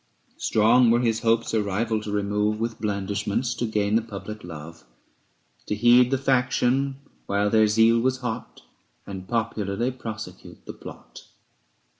Strong were his hopes a rival to remove, With blandishments to gain the public love, To head the faction while their zeal was hot, And popularly prosecute the plot.